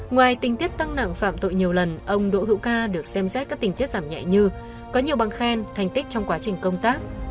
ngoài tình tiết tăng nặng phạm tội nhiều lần ông đỗ hữu ca được xem xét các tình tiết giảm nhẹ như có nhiều bằng khen thành tích trong quá trình công tác